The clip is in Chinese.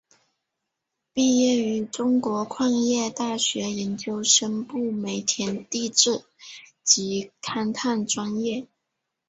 毕业于中国矿业大学研究生部煤田地质及勘探专业。